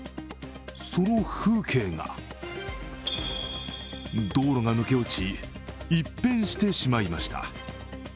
その風景が、道路が抜け落ち、一変してしまいました。